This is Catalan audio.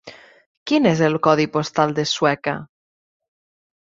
Quin és el codi postal de Sueca?